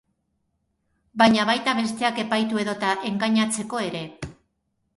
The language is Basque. Baina, baita besteak epaitu edota engainatzeko ere.